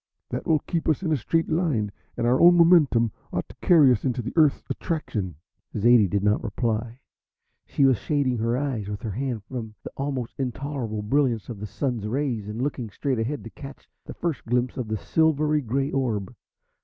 That will keep us in a straight line, and our own momentum ought to carry us into the Earth's attraction." Zaidie did not reply. She was shading her eyes with her hand from the almost intolerable brilliance of the Sun's rays, and looking straight ahead to catch the first glimpse of the silver grey orb.